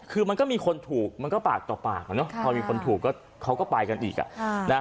คือมันก็มีคนถูกมันก็ปากต่อปากพอมีคนถูกก็เขาก็ไปกันอีก